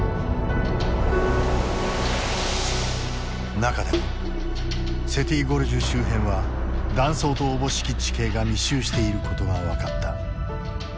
中でもセティ・ゴルジュ周辺は断層とおぼしき地形が密集していることが分かった。